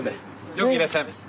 よくいらっしゃいました。